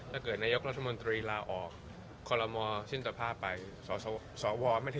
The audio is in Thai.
ถ้าเกิดนายกรัฐมนตรีลาออกคอลโลมอชิ้นสภาพไป